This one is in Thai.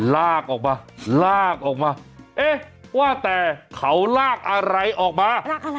ลากออกมาลากออกมาว่าแต่เขาลากอะไรออกมา